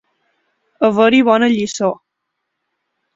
Haver-hi bona lliçó.